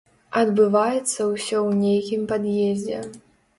Адбываецца ўсё ў нейкім пад'ездзе.